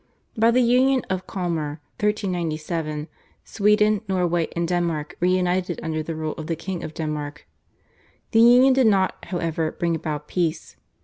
By the Union of Kalmar (1397) Sweden, Norway, and Denmark were united under the rule of the King of Denmark. The Union did not, however, bring about peace.